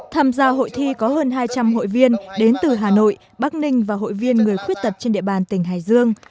tham gia hội thi có hơn hai trăm linh hội viên đến từ hà nội bắc ninh và hội viên người khuyết tật trên địa bàn tỉnh hải dương